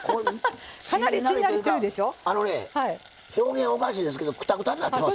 しんなりというか表現おかしいですけどくたくたになっています。